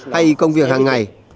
hay công việc hàng ngày